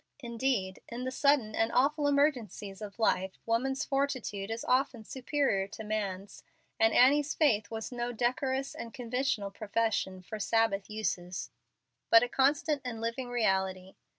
Indeed, in the sudden and awful emergencies of life, woman's fortitude is often superior to man's, and Annie's faith was no decorous and conventional profession for Sabbath uses, but a constant and living reality.